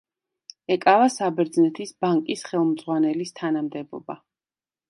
ეკავა საბერძნეთის ბანკის ხელმძღვანელის თანამდებობა.